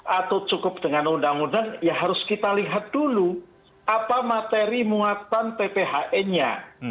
atau cukup dengan undang undang ya harus kita lihat dulu apa materi muatan pphn nya